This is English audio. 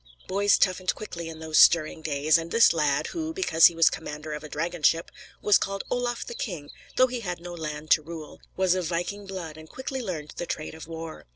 Boys toughened quickly in those stirring days, and this lad, who, because he was commander of a dragon ship, was called Olaf the King though he had no land to rule was of viking blood, and quickly learned the trade of war.